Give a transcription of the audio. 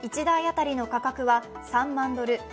１台当たりの価格は３万ドル